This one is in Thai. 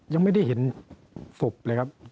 ยังไม่ได้เห็นศพเลยครับ